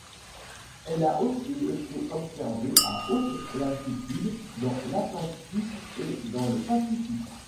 Elle a aussi été observée à haute latitude dans l'Atlantique et dans le Pacifique.